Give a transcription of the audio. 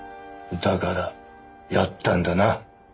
だからやったんだな？